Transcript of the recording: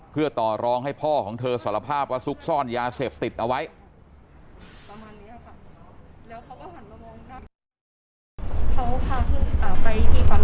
เพื่อต่อรองให้พ่อของเธอสารภาพว่าซุกซ่อนยาเสพติดเอาไว้